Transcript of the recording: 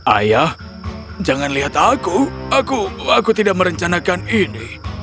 ayah jangan lihat aku aku aku tidak merencanakan ini